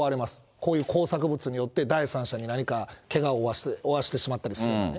こういう工作物によって、第三者に何かけがを負わせてしまったりするとね。